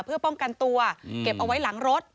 เพื่อป้องกันตัวเก็บเอาไว้หลังรถ